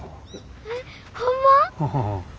えっホンマ？